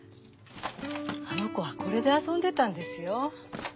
あの子はこれで遊んでたんですよ。